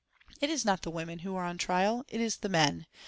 It is not the women who are on trial. It is the men.